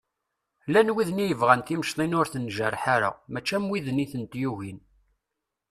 Llan widen i yebɣan timecḍin ur ten-njerreḥ ara mačči am widen i tent-yugin.